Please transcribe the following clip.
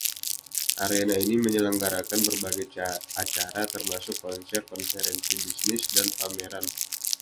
Arena ini menyelenggarakan berbagai acara, termasuk konser, konferensi bisnis, dan pameran.